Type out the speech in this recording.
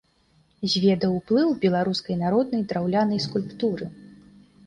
Зведаў уплыў беларускай народнай драўлянай скульптуры.